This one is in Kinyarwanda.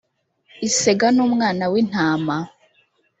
Isega n umwana w intama